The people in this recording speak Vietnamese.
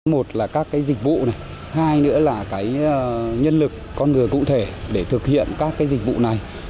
một là các dịch vụ này hai nữa là nhân lực con người cụ thể để thực hiện các dịch vụ này